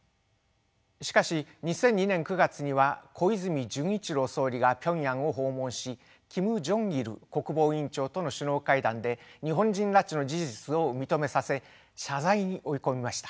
しかし２００２年９月には小泉純一郎総理がピョンヤンを訪問しキム・ジョンイル国防委員長との首脳会談で日本人拉致の事実を認めさせ謝罪に追い込みました。